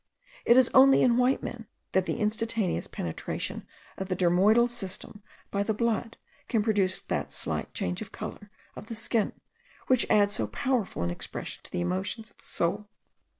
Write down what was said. It is only in white men that the instantaneous penetration of the dermoidal system by the blood can produce that slight change of the colour of the skin which adds so powerful an expression to the emotions of the soul.